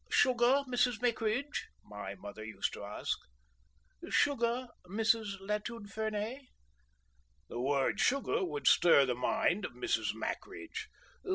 "Sugar, Mrs. Mackridge?" my mother used to ask. "Sugar, Mrs. Latude Fernay?" The word sugar would stir the mind of Mrs. Mackridge.